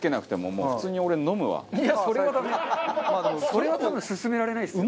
それは多分勧められないっす。